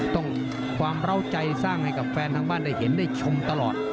ต้องความเล่าใจสร้างให้กับแฟนทางบ้านได้เห็นได้ชมตลอด